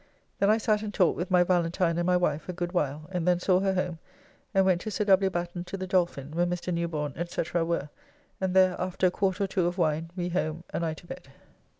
Then I sat and talked with my Valentine and my wife a good while, and then saw her home, and went to Sir W. Batten to the Dolphin, where Mr. Newborne, &c., were, and there after a quart or two of wine, we home, and I to bed....